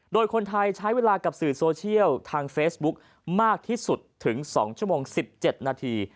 โดยคนไทยใช้เวลากับสื่อโซเชียลทางเฟซบุ๊คมากที่สุดถึง๒ชั่วโมง๑๗นาที